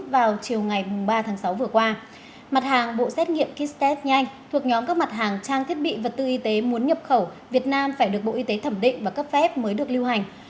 vào chiều ngày ba tháng sáu vừa qua mặt hàng bộ xét nghiệm kit test nhanh thuộc nhóm các mặt hàng trang thiết bị vật tư y tế muốn nhập khẩu việt nam phải được bộ y tế thẩm định và cấp phép mới được lưu hành